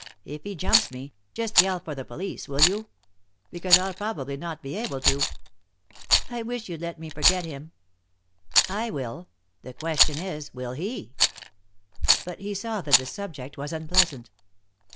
If he jumps me, just yell for the police, will you? Because I'll probably not be able to." "I wish you'd let me forget him." "I will. The question is, will he?" But he saw that the subject was unpleasant.